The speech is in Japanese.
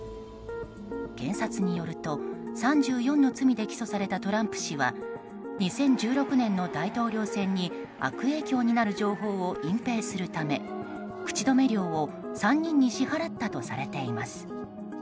検察によると３４の罪で起訴されたトランプ氏は２０１６年の大統領選に悪影響になる情報を隠蔽するため口止め料を３人に支払ったとされています。